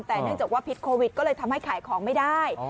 แต่เนื่องจากว่าพิษโควิดก็เลยทำให้ขายของไม่ได้